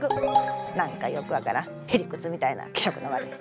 何かよく分からんへりくつみたいな気色の悪い。